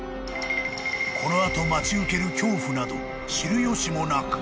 ［この後待ち受ける恐怖など知る由もなく］